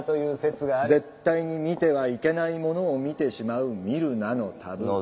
絶対に見てはいけないものを見てしまう「見るなのタブー」。